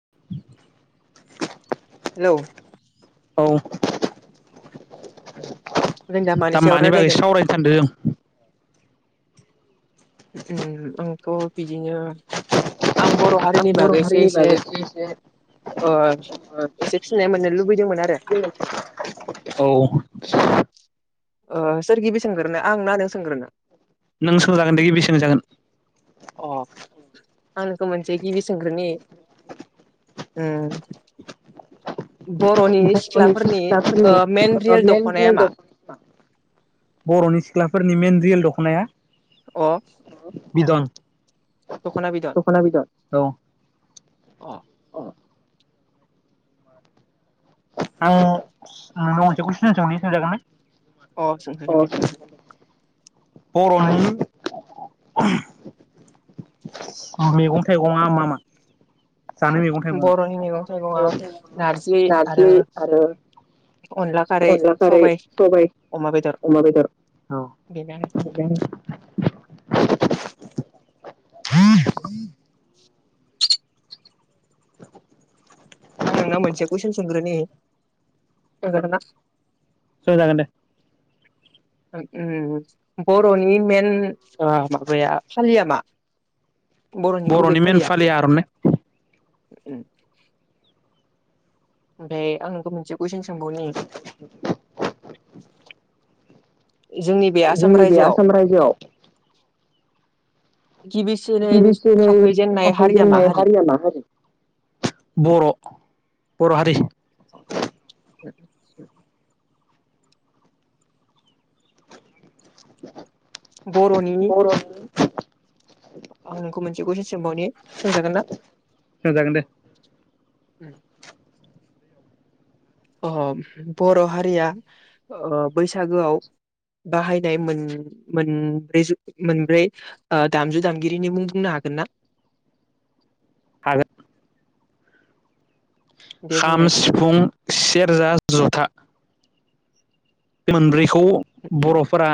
[inaudible] Hello. औ। [inaudible] दा मानि बागै सावरायनो सान्दो जों? उम आंथ' बिदिनो आं बर' दा हारिनि बर' बागै एसे हारिनि एसे बागैसो एसे ओ एसे फिनाय मोननो लुबैदोंमोन आरो औ। सोर गिबि सोंग्रोनो आं ना नों सोंग्रोनो? नों सोंजागोन दे गिबि सोंजागोन। अ आं नोंखौ मोनसे गिबि सोंग्रोनि ओम। बर'नि सिख्लाफोरनि ओ मेन रियेल दख'नाया मा [unintelligible] बर'नि सिख्लाफोरनि मेन रियेल दख'नाया अ बिदन दख'ना बिदन। अ। आं नोंनाव मोनसे कुइसन सोंनि सोंजागोन ना? अ सोंजागोन दे। बर'नि मैगं थाइगंआ मामोन? जानो मैगं थाइगंआ बर'नि मैगं थाइगङा नारजि आरो अनला खारै अनला खारै सबाय सबाय अमा बेदर अमा बेदर। [unintelligible] [unintelligible] [unintelligible] [inaudible] आं नोंनिआव मोनसे कुइसन सोंग्रोनि [unintelligible] औ जागोन दे उम बर'नि मेन अ माबाया फालिया मा? बर'नि गुबै फालिया ओमफ्राय आं नोंखौ मोनसे कुइसन सोंबावनि? [unintelligible] जोंनि बे आसाम जोंनि बे रायजोआव आसाम रायजोआव गिबिसिन गिबिसिनै थाफायजेननाय हारि हारिया मामोन? बर' बर' हारि। [unintelligible] [inaudible] बर'नि बर'नि आं नोंखौ मोनसे कुइसन सोंबावनि सोंजागोन ना? सोंजागोन दे अह बर' हारिया अ बैसागोआव बाहायनाय मोन-मोनब्रै-मोनब्रै ओ दामजु दाम गिरीनि मुं बुंनो हागोनना? हागो। [unintelligible] दे खाम बुंलाय सिफुं सेरजा जुथा। बे मोनब्रैखौ बर'फोरा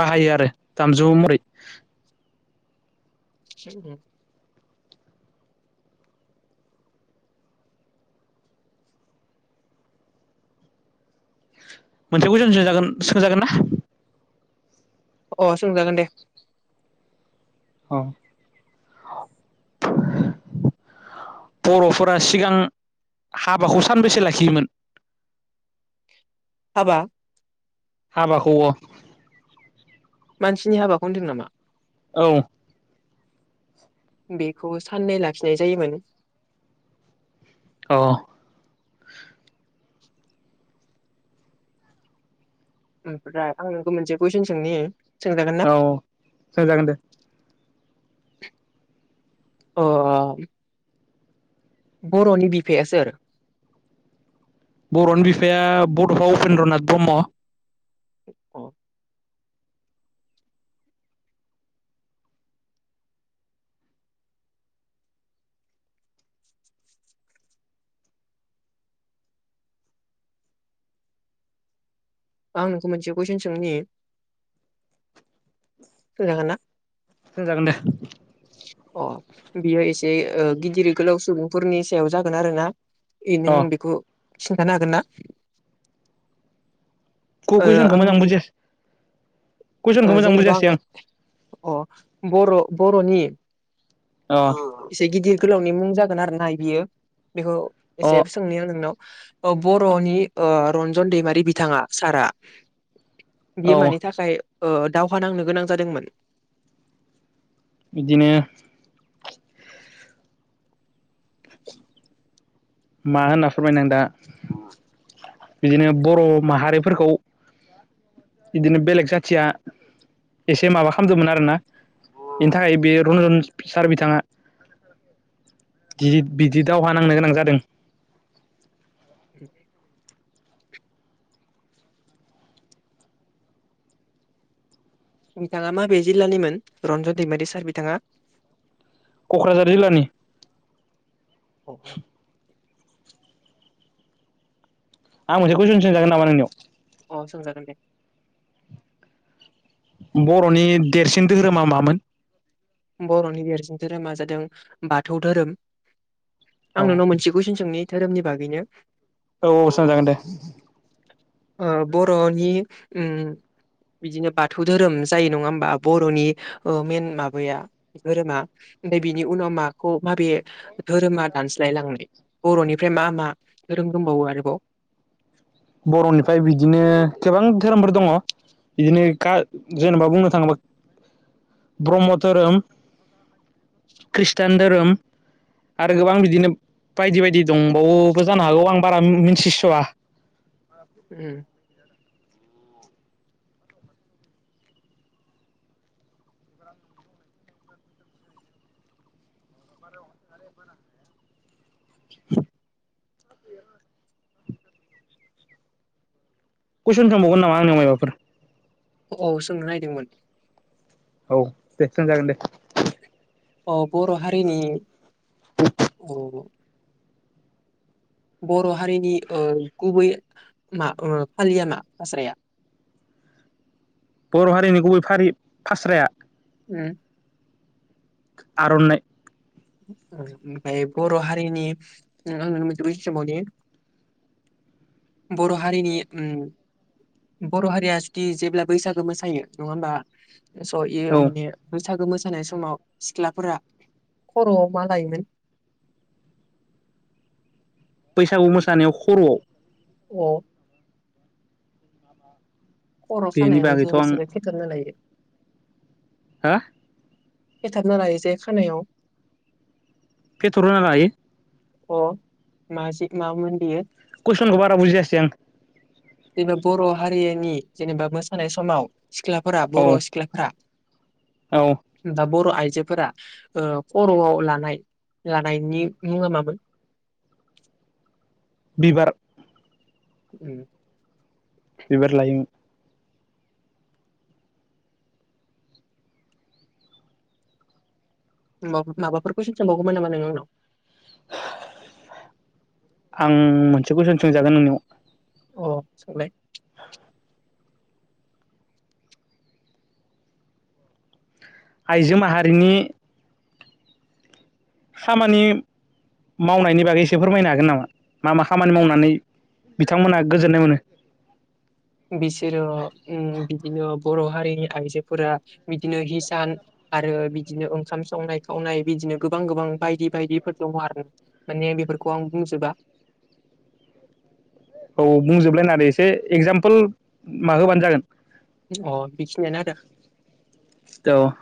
बाहायो आरो दामजु मरै। [unintelligible] मोनसे कुइसन सोंजागोन सोंजागोन ना? अ सोंजागोन दे अ [unintelligible] बर'फोरा सिगां हाबाखौ सानबेैसे लाखियोमोन? हाबा हाबाखौव मानसिनि हाबाखौ होनदों नामा? औ बेखौ साननै लाखिनाय जायोमोन। अह ओमफ्राय आं नोंखौ मोनसे कुइसन सोंनि। सोंजागोन ना औ सों जागोन दे। औ बर'नि बिफाया सोर? बर'नि बिफाया बड'फा उपेन्द्र नाथ ब्रह्म। औ आं नोंखौ मोनसे कुइसन सोंनि। सोंजागोनना? सोंजागोन दे। अ बेयो एसे ओ गिदिर गोलाब सुबुंफोरनि सायाव जागोन आरो ना। ए नों अ बेखौ खिन्थानो हागोन ना? औ कुइसनखौ मोजां आंनि बुजियासै कुइसनखौ ओ मोजां जेनेबा बुजियासै आङो आं अ बर' बर'नि [unintelligible] इसे गिदिर गोलावनि मुं जागोन आरो ना बियो बिखौ अ इसे सोंनि आं नोंनाव ओ बर'नि ओ रन्जन दैमारि बिथाङा सारआ बियो औ मानि थाखाय ओ दावहा नांनो गोनां जादोंमोन? बिदिनो मा होनना फोरमायनो आं दा बिदिनो बर' माहारिफोरखौ बिदिनो बेलेग जाथिया एसे माबा खामदोमोन आरोना इनि थाखाय बियो रन्जन सार बिथाङा दि बिदि दावहा नांनो गोनां जादों। [inaudible] बिथाङा माबे जिल्लानिमोन रन्जन दैमारि सार बिथाङा? क'क्राझार जिल्लानि। [inaudible] आं मोनसे कुइसन सोंजागोन नामा नोंनियाव? अ सोंजागोन दे। बर'नि देरसिन धोहोरोमा मामोन? बर'नि देरसिन धोरोमा जादों बाथौ धोरोम औ आं नोंनाव मोनसे कूइसोन सोंनि धोरोमनि बागैनो। औ सोंजागोन दे। ओ बर'नि ओम बिदिनो बाथौ धोरोम जायो नङा होमबा बर'नि ओ मेन मा बैया धोरोमा ओमफाय बिनि उनाव माखौ माबे धोरोमा दानस्लाय लांनाय बर'निफाय मा मा धोरोम दोंबावो आरोबाव? बर'निफाय बिदिनो गोबां धोरोमफोर दङ इदिनो गा जेनेबा बुंनो थाङोबा ब्रह्म धोरोम ख्रिस्टान धोरोम आरो गोबां बिदिनो बायदि-बायदि दंबावोबो जानो हागौ आं बारा मिथिस'आ। [unintelligible] ओम। कूइसन सोंबावगोन नामा आंनाव मायबाफोर? औ सोंनो नायदोंमोन। औ दे सोंजागोन दे। औ बर' हारिनि औ। बर' हारिनि ओ गुबै मा ओ फालिया मा फास्राया? बर' हारिनि गुबै फारि फास्राया? ओम। आर'नाइ। ओम ओमफाय बर' हारिनि ओ आं नोंनो मोनसे कुइसन सोंबावनि। बर' हारिनि ओम बर' हारिया जुदि जेब्ला बैसागो मोसायो नङा ओमबा स' औ इयो माने बैसागो मोसानाय समाव सिख्लाफोरा खर'आव मा लायोमोन? बैसागु मोसानायाव खर'आव औ लांदां खर' सानायाव जे बिसोरो खेथेबना लायो हा खेथाबना लायो जे खानायाव फेटर होनना लायो अ मा ऐसे मामोन बियो कुइसनखौ बारा बुजिसै आं जेनेबा बर' हारिनि जेनेबा मोसानाय समाव सिख्लाफोरा औ बर' सिख्लाफोरा औ दा बर' आइजोफोरा ओ खर'आव लानाय लानायनि मुङा मामोन बिबार उम बिबार लायोमोन उम नों माबाफोर कुइसन सोंबाव गौमोन नामा नों आंनाव आं मोनसे कुइसन सोंजागोन नोंनियाव अ सोंलाय आइजो माहारिनि खामानि मावनायनि बागै एसे फोरमायनो हागोन नामा मा मा खामानि मावनानै बिथांमोनहा गोजोननाय मोनो बिसोरो उम बिदिनो बर' हारिनि आइजोफोरा बिदिनो हिसान आरो बिदिनो ओंखाम संनाय खावनाय बिदिनो गोबां गोबां बायदि बायदिफोर दङ आरो माने बेफोरखौ आं बुंजोबा औ बुंजोबलायनानै एसे एगजामफोल मा होबानो जागोन अ बेखिनियानो आरो औ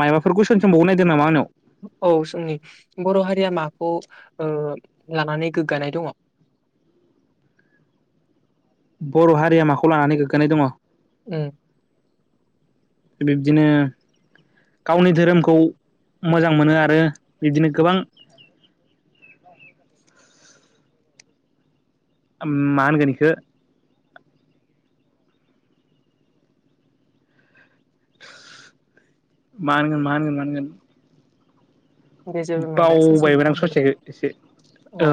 मायबाफोर कुइसन सोंबावनो नायदों नामा आंनियाव औ जोंनि बर' हारिया माखौ ओ लानानै गोगानाय दङ बर' हारिया माखौ लानानै गोगगानाय दङ उम बिब्दिनो गावनि धोरोमखौ मोजां मोनो आरो बिदिनो गोबां उम मा होनगोन इखो मा होनगोन मा होनगोन मा होनगोन दे जेबो नङा दा ससेल' बावबायमोन आं बुंहरजागोन ससेखौ एसे अ औ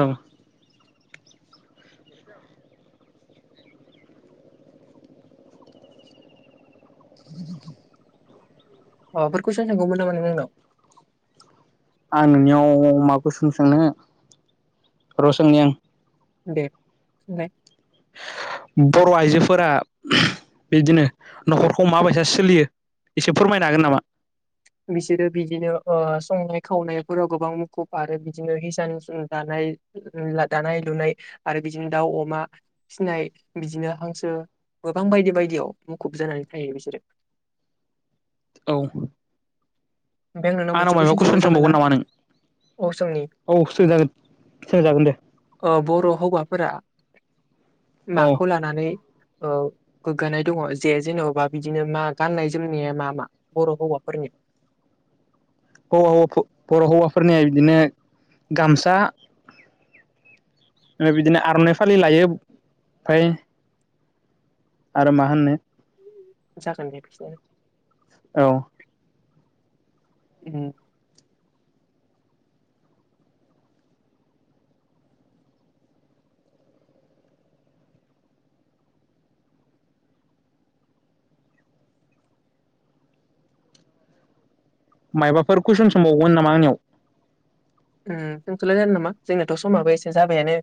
लांदां माबाफोर कुइसन सोंगौमोन‌ नामा नों आंनाव आं नोंनियाव मा कुइसन सोंनो र' सोंनि आं दे सोंनाय बर' आइजोफोरा उमहु बिदिनो न'खरखौ माबायसा सोलियो एसे फोरमायनो हागोन नामा बिसोरो बिदिनो ओ संनाय खावनायफोराव गोबां मुखुब आरो बिदिनो हिसान हिसान दानाय उम दानाय लुनाय आरो बिदिनो दाउ अमा फिसिनाय बिदिनो हांसो गोबां बायदि बायदियाव मुखुब जानानै थायो बिसोरो औ ओमफ्राय आं नोंनाव आंनाव मा कुइसन सोंबावगोन नामा नों अ सोंनि औ सोजा सोंजागोन दे ओ बर' हौवाफोरा औ माखौ लानानै ओ गोगानाय दङ जे जेन'बा बिदिनो मा गाननाय जोमनाया मा मा बर' हौवाफोरनि हौ हौवाफोर बर' हौवाफोरनिया बिदिनो गामसा बिदिनो आर'नाइ फालि लायो ओमफ्राय आरो मा होननो जागोन दे बिसनियानो औ उम मायबाफोर कुइसन सोंबावगोन नामा आंनियाव उम सोंथ'लायला नामा जोंनाथ' समाबो एसे जाबायानो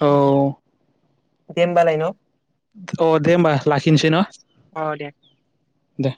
औ दे होमबालाय न' अ दे होमबा लाखिनोसै न अ दे दे